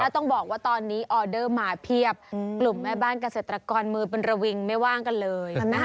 ต้องบอกว่าตอนนี้ออเดอร์มาเพียบกลุ่มแม่บ้านเกษตรกรมือเป็นระวิงไม่ว่างกันเลย